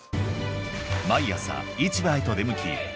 毎朝市場へと出向き